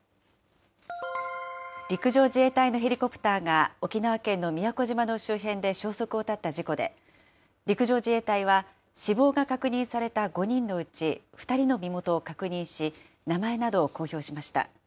陸上自衛隊のヘリコプターが沖縄県の宮古島の周辺で消息を絶った事故で、陸上自衛隊は死亡が確認された５人のうち２人の身元を確認し、名前などを公表しました。